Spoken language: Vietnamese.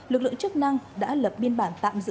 lực lượng chức năng đã lập biên bản tạm giữ